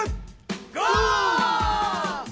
ゴー！